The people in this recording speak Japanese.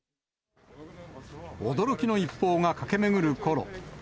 驚きの一報が駆け巡るころ。